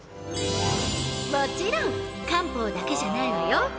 ［もちろん漢方だけじゃないわよ］